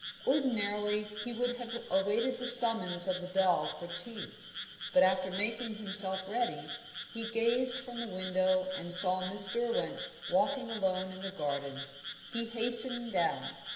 Ordinarily, he would have awaited the summons of the bell for tea. But, after making himself ready, he gazed from the window and saw Miss Derwent walking alone in the garden; he hastened down.